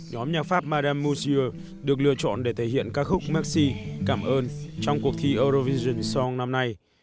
nhóm nhạc pháp madame moussieu được lựa chọn để thể hiện các khúc merci cảm ơn trong cuộc thi eurovision song năm nay